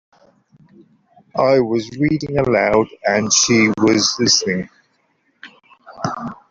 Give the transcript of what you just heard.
I was reading aloud, and she was listening.